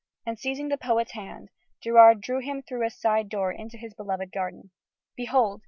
And, seizing the poet's hand, Gerard drew him through a side door into his beloved garden. "Behold!"